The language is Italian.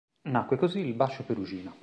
Nacque così il "Bacio" Perugina.